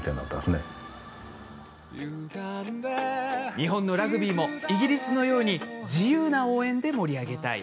日本のラグビーもイギリスのように自由な応援で盛り上げたい。